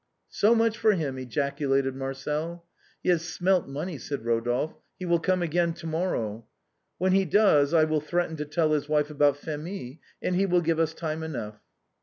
" So much for him !" ejaculated Marcel. " He has smelt money," said Eodolphe ;" he will come again to morrow." "When he does, I will threaten to tell his wife about Phémie, and he will give us time enough."